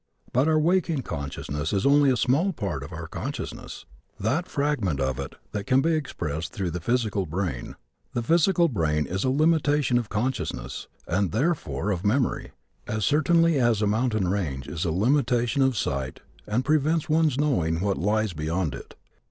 But our waking consciousness is only a small part of our consciousness that fragment of it that can be expressed through the physical brain. The physical brain is a limitation of consciousness, and therefore of memory, as certainly as a mountain range is a limitation of sight and prevents one's knowing what lies beyond it.